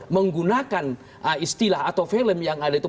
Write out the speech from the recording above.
menggunakan istilah atau film yang ada itu